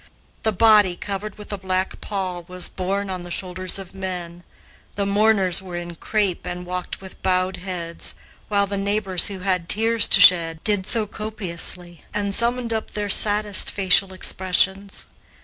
The body, covered with a black pall, was borne on the shoulders of men; the mourners were in crape and walked with bowed heads, while the neighbors who had tears to shed, did so copiously and summoned up their saddest facial expressions.